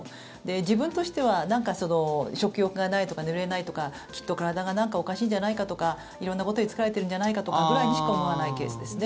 自分としては食欲がないとか眠れないとかきっと体がなんかおかしいんじゃないかとか色んなことに疲れてるんじゃないかとかぐらいにしか思わないケースですね。